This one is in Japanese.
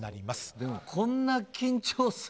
でも、こんな緊張する？